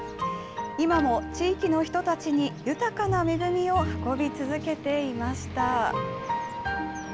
今も地域の人たちに豊かな恵みを運び続けていました。